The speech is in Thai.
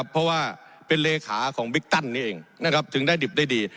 เพราะว่าเป็นเลขาของบิ๊กตันนี้เองนะครับถึงได้ดิบได้ดี